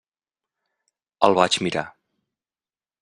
El vaig mirar.